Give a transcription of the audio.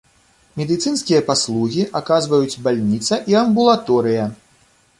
Медыцынскія паслугі аказваюць бальніца і амбулаторыя.